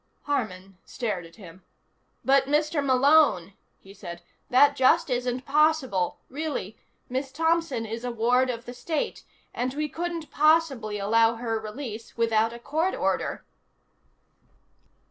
Harman stared at him. "But, Mr. Malone," he said, "that just isn't possible. Really. Miss Thompson is a ward of the state, and we couldn't possibly allow her release without a court order."